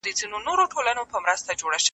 که اوږده ډوډۍ ماڼۍ ته یوړل سي، خوښ به سم.